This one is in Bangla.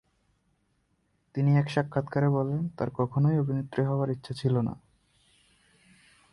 তিনি এক সাক্ষাতকারে বলেন, তার কখনোই অভিনেত্রী হবার ইচ্ছা ছিল না।